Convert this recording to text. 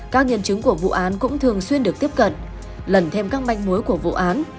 các nhân chứng của vụ án cũng thường xuyên được tiếp cận lần thêm các manh mối của vụ án